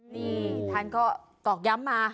นี่ท่านก็ตอกย้ำมา